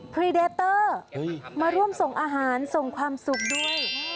พรีเดเตอร์มาร่วมส่งอาหารส่งความสุขด้วย